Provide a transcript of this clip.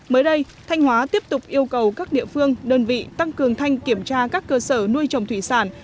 mới đây thanh hóa tiếp tục yêu cầu các địa phương đơn vị tăng cường thanh kiểm tra các cơ sở nuôi trồng thủy sản